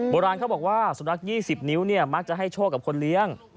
โบราณเขาบอกว่าสุนัข๒๐นิ้วเนี่ยมักจะให้โชคกับคนเลี้ยง